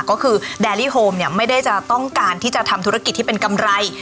ก็คือแดรี่โฮมเนี่ยไม่ได้จะต้องการที่จะทำธุรกิจที่เป็นกำไร